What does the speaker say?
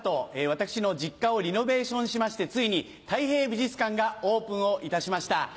私の実家をリノベーションしましてついにたい平美術館がオープンをいたしました。